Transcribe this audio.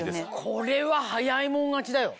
これは早い者勝ちだよ！